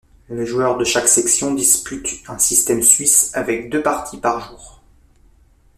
Les joueurs de chaque section disputent un système suisse avec deux parties par jour.